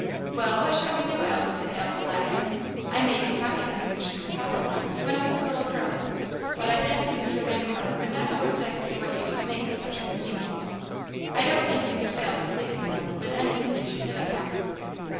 "Well, what shall we do, Ellen?" said Alice, laughing. "I made a pocket pincushion for Papa once, when I was a little girl, but I fancy Mr. Van Brunt would not know exactly what use to make of such a convenience. I don't think you could fail to please him, though, with anything you should hit upon."